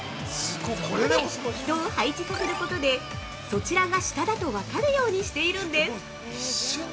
そこで、人を配置させることで、そちらが下だとわかるようにしているんです。